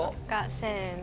せの。